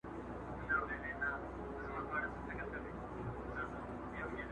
کوټي ته درځمه گراني~